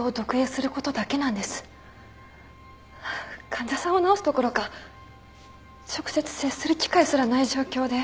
患者さんを治すどころか直接接する機会すらない状況で。